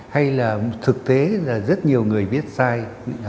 hay là thực tế là rất nhiều người biết sai